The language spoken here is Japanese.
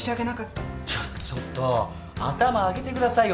ちょっと頭上げてくださいよ